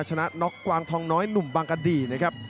ชนะน็อกกวางทองน้อยหนุ่มบางกะดีนะครับ